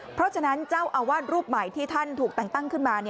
เพราะฉะนั้นเจ้าอาวาสรูปใหม่ที่ท่านถูกแต่งตั้งขึ้นมา